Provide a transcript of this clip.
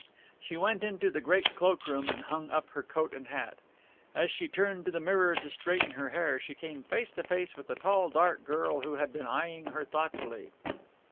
She went into the great cloak room and hung up her coat and hat. As she turned to the mirror to straighten her hair she came face to face with a tall, dark girl who had been eyeing her thoughtfully.